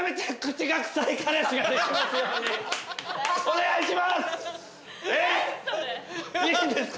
お願いします！